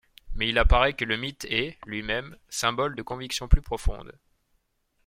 Mais il apparaît que le mythe est, lui-même, symbole de convictions plus profondes.